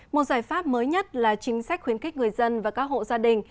một giải pháp mới nhất là chính sách khuyến khích người dân và các hộ gia đình